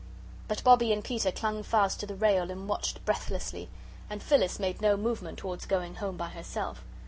But Bobbie and Peter clung fast to the rail and watched breathlessly. And Phyllis made no movement towards going home by herself.